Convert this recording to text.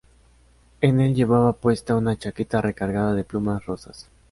En el llevaba puesta una chaqueta recargada de plumas rosas.